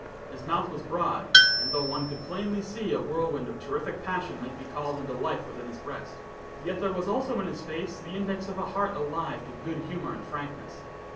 His mouth was broad, and though one could plainly see a whirlwind of terrific passion might be called into life within his breast, yet there was, also in his face, the index of a heart alive to good humor and frankness.